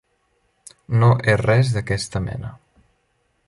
No he res d'aquesta mena.